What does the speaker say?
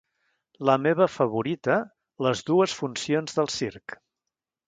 La meva favorita, Les dues funcions del circ.